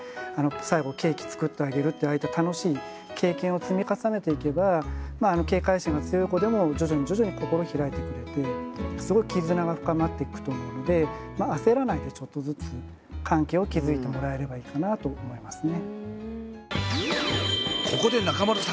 最後ケーキ作ってあげるというああいった楽しい経験を積み重ねていけば警戒心が強い子でも徐々に徐々に心を開いてくれてすごい絆が深まっていくと思うので焦らないでちょっとずつ関係を築いてもらえればいいかなと思いますね。